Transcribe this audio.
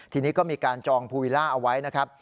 ทีนี้ก็มีการจองภูวิล่าเอาไว้นะครับ